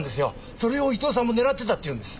それを伊藤さんも狙ってたって言うんです。